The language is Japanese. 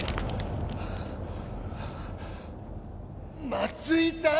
松井さん！